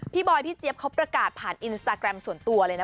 บอยพี่เจี๊ยบเขาประกาศผ่านอินสตาแกรมส่วนตัวเลยนะ